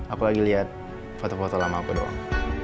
aku lagi lihat foto foto lama aku doang